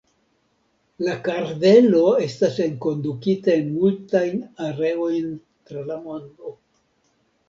La kardelo estas enkondukita en multajn areojn tra la mondo.